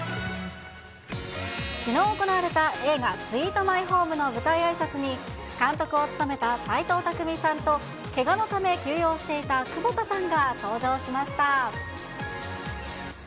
きのう行われた映画、スイート・マイホームの舞台あいさつに、監督を務めた齊藤工さんと、けがのため休養していた窪田さん